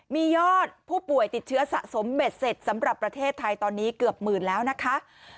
มียอดผู้ป่วยติดเชื้อสะสมเบ็ดเสร็จสำหรับประเทศไทยตอนนี้เกือบหมื่นแล้วนะคะ